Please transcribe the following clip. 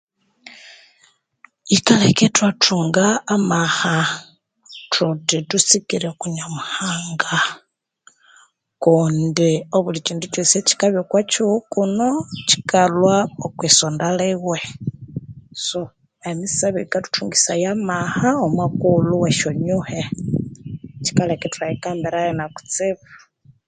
Yikaleka ithwathunga amahaa thuthi thusikire okwa nyamuhanga kundi obulikindu kyosi ekikabya okwa kihugho kuno kikalhwa okwisonda liwe so emisabe yikathuthungisaya amaha omwa kughulhu wesyonyuhe kikaleka ithwayikambirayo